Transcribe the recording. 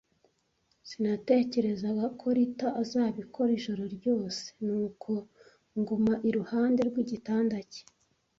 Sinatekerezaga ko Ruta azabikora ijoro ryose, nuko nguma iruhande rw'igitanda cye.